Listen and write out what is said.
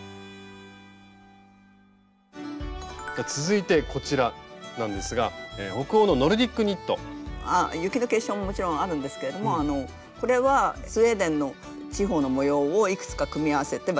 続いてこちらなんですが北欧の雪の結晶ももちろんあるんですけれどもこれはスウェーデンの地方の模様をいくつか組み合わせて。